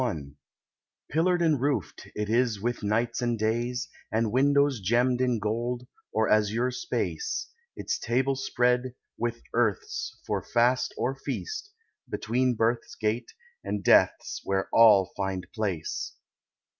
XLI "Pillared and roofed it is with nights and days, And windows gemmed in gold, or azure space, Its table spread, with earth's, for fast or feast, Between Birth's gate and Death's where all find place.